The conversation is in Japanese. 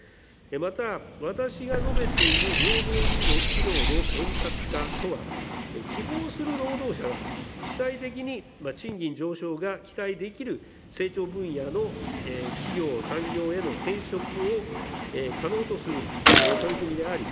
また、私が述べている労働移動の円滑化とは、希望する労働者が主体的に賃金上昇が期待できる成長分野の企業、産業への転職を可能とする取り組みであり、